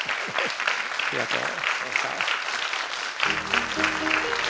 ありがとう。